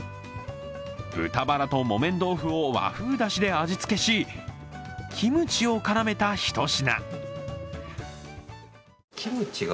豚バラと木綿豆腐を和風だしで味付けし、キムチを絡めたひと品。